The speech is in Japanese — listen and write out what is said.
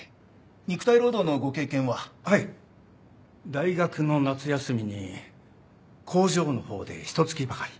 大学の夏休みに工場の方でひと月ばかり。